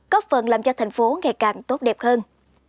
góp phần làm cho thành phố ngày càng tốt đẹp hơn